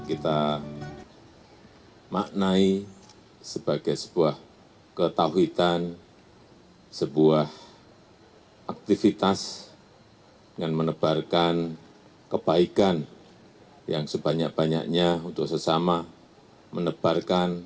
ima besar nasaruddin umar